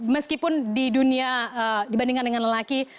meskipun di dunia dibandingkan dengan lelaki